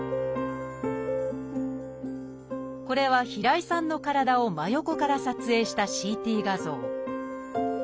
これは平井さんの体を真横から撮影したＣＴ画像